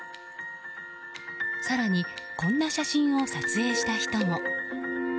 更に、こんな写真を撮影した人も。